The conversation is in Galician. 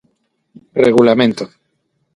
Regulamento.